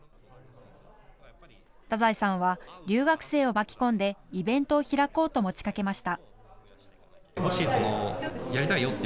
太宰さんは留学生を巻き込んでイベントを開こうと持ちかけました。